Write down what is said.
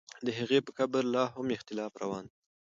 د هغې په قبر لا هم اختلاف روان دی.